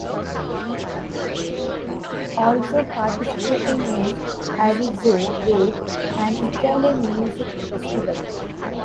Also participating in Arezzo Wave, an Italian music festival.